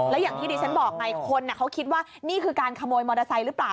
แล้วอย่างที่ดิฉันบอกไงคนเขาคิดว่านี่คือการขโมยมอเตอร์ไซค์หรือเปล่า